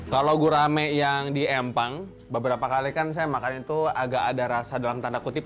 kalau gurame yang di empang beberapa kali kan saya makan itu agak ada rasa dalam tanda kutip